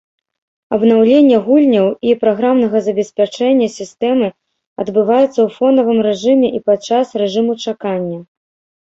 Абнаўлення гульняў і праграмнага забеспячэння сістэмы адбываецца ў фонавым рэжыме і падчас рэжыму чакання.